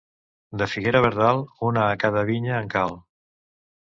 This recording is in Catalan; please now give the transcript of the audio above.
De figuera verdal, una a cada vinya en cal.